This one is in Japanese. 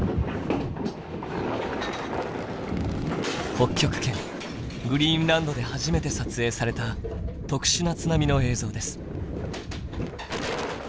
北極圏グリーンランドで初めて撮影された「特殊な津波」の映像です。